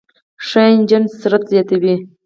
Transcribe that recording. ښه انجن سرعت زیاتوي.